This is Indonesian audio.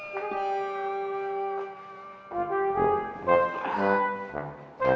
mau ngapain di situ